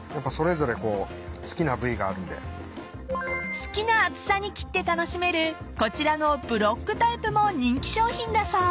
［好きな厚さに切って楽しめるこちらのブロックタイプも人気商品だそう］